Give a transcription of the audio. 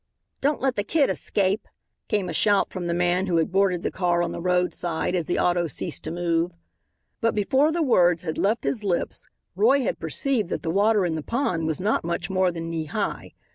"Don't let the kid escape," came a shout from the man who had boarded the car on the roadside, as the auto ceased to move. But before the words had left his lips Roy had perceived that the water in the pond was not much more than knee high.